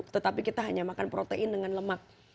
tetapi kita hanya makan protein dengan lemak